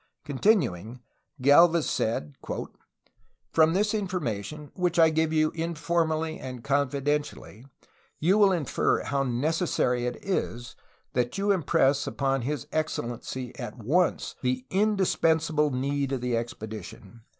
Continuing, Gdlvez said: " From this information, which I give you informally and con fidentially, you will infer how necessary it is ... that you im press upon His Excellency at once the indispensable need of the expedition